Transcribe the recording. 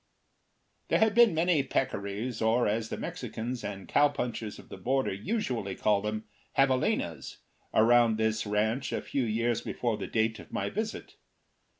There had been many peccaries, or, as the Mexicans and cowpunchers of the border usually call them, javalinas, round this ranch a few years before the date of my visit.